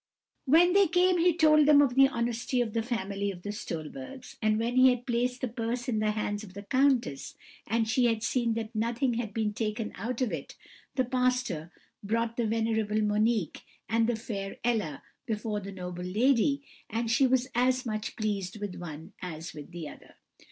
"When they came he told them of the honesty of the family of the Stolbergs; and when he had placed the purse in the hands of the countess, and she had seen that nothing had been taken out of it, the pastor brought the venerable Monique and the fair Ella before the noble lady, and she was as much pleased with one as with the other.